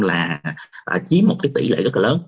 là chiếm một cái tỷ lệ rất là lớn